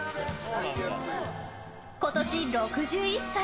今年６１歳。